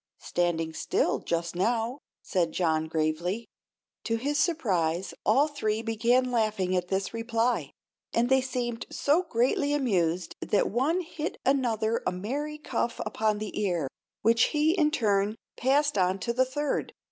"Standing still, just now," said John, gravely. To his surprise all three began laughing at this reply, and they seemed so greatly amused that one hit another a merry cuff upon the ear, which he in turn passed on to the third.